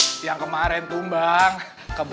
re moraga yang kemarin tumbang kebetulan aja